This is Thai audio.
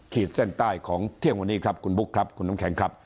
ขีดเส้นใต้ของเที่ยงวันนี้ครับคุณบุ๊คครับคุณน้ำแข็งครับ